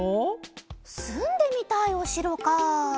すんでみたいおしろか。